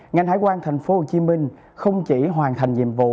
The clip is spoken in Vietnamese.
ngành hải quan thành phố hồ chí minh không chỉ hoàn thành nhiệm vụ